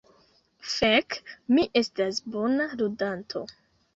Fek, mi estas bona ludanto.